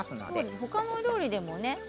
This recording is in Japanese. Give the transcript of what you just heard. ほかのお料理にもね。